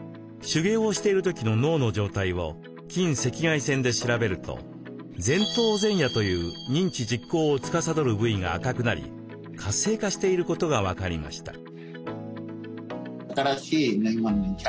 手芸をしている時の脳の状態を近赤外線で調べると前頭前野という認知・実行をつかさどる部位が赤くなり活性化していることが分かりました。